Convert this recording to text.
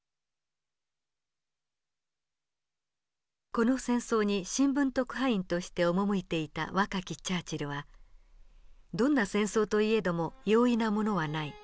この戦争に新聞特派員として赴いていた若きチャーチルは「どんな戦争といえども容易なものはない。